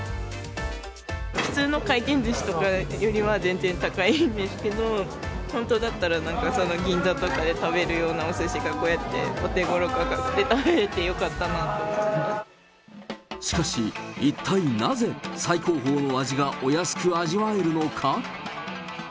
普通の回転ずしよりは全然高いんですけれども、本当だったら、なんか、その銀座とかで食べるようなおすしがこうやってお手頃価格で食べしかし、一体なぜ最高峰の味がお安く味わえるのか？